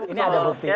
ini ada bukti